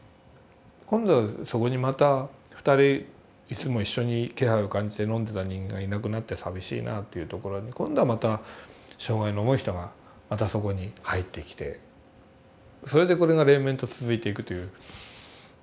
今度そこにまた２人いつも一緒に気配を感じて飲んでた人間がいなくなって寂しいなというところに今度はまた障害の重い人がまたそこに入ってきてそれでこれが連綿と続いていくという。